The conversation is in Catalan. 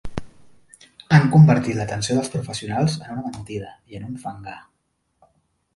Han convertit l’atenció dels professionals en una mentida i en un fangar.